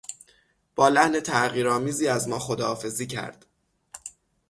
با لحن تحقیرآمیزی از ما خداحافظی کرد.